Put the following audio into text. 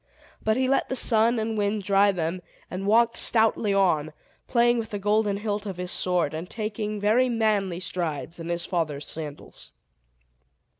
But he let the sun and wind dry them, and walked stoutly on, playing with the golden hilt of his sword, and taking very manly strides in his father's sandals.